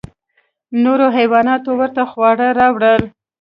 نورو حیواناتو ورته خواړه راوړل.